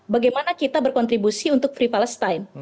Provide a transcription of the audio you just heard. bagaimana kita berkontribusi untuk free palestime